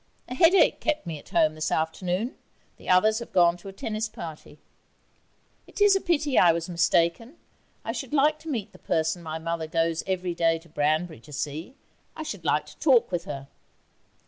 A headache kept me at home this afternoon. The others have gone to a tennis party.... It is a pity I was mistaken. I should like to meet the person my brother goes every day to Branbury to see. I should like to talk with her.